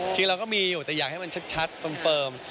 จริงเราก็มีอยู่แต่อยากให้มันชัดเฟิร์ม